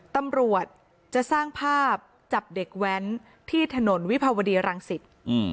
ตำรวจจะสร้างภาพจับเด็กแว้นที่ถนนวิภาวดีรังสิต